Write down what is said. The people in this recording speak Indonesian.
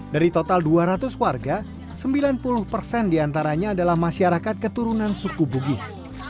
dari total dua ratus warga sembilan puluh persen diantaranya adalah masyarakat keturunan suku bugis